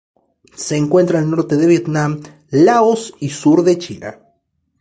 Se encuentra al norte de Vietnam, Laos y sur de China.